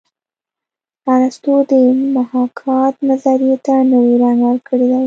ارستو د محاکات نظریې ته نوی رنګ ورکړی دی